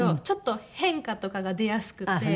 ちょっと変化とかが出やすくて。